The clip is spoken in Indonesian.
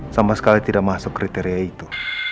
sama sekali tidak masuk kriteria itu